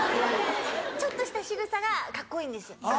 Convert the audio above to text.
ちょっとしたしぐさがカッコいいんです。